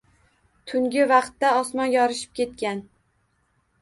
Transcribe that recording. Tungi vaqtda osmon yorishib ketgan